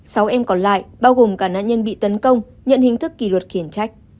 sáu em còn lại bao gồm cả nạn nhân bị tấn công nhận hình thức kỷ luật khiển trách